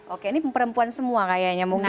oke ini perempuan semua kayaknya mungkin